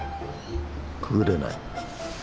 くぐれない。